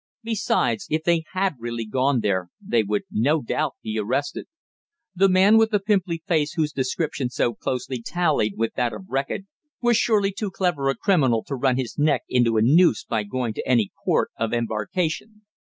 Besides, if they had really gone there, they would, no doubt, be arrested. The man with the pimply face whose description so closely tallied with that of Reckitt, was surely too clever a criminal to run his neck into a noose by going to any port of embarkation.